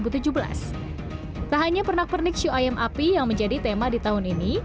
tak hanya pernak pernik show ayam api yang menjadi tema di tahun ini